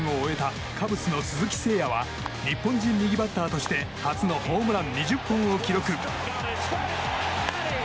２年目のシーズンを終えたカブスの鈴木誠也は日本人右バッターとして初のホームラン２０本を記録。